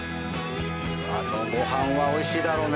あのご飯は美味しいだろうね。